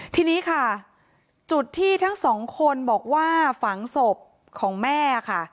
ทีนี้ค่ะจุดที่ทั้งสองคนบอกว่าฝังศพของแม่ค่ะ